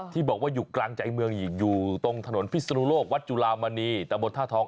ที่บอกว่าอยู่กลางใจเมืองอีกอยู่ตรงถนนพิศนุโลกวัดจุลามณีตะบนท่าทอง